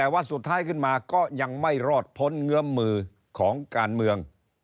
แต่ว่าสุดท้ายขึ้นมาก็ยังไม่รอดพ้นเงื้อมมือของการเมือง